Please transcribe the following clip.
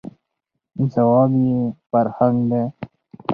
، ځواب یې «فرهنګ» دی.